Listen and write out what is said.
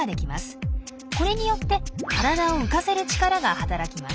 これによって体を浮かせる力が働きます。